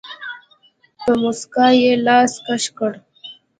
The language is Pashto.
په موسکا يې له لاسه کش کړ.